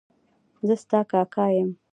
زه ستا کاکا یم.